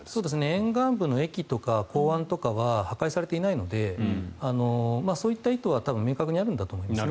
沿岸部の駅とか港湾とかは破壊されていないのでそういった意図は明確にあるんだと思います。